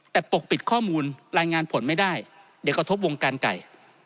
แต่ปกปิดข้อมูลรายงานผลไม่ได้เดี๋ยวกระทบวงการไก่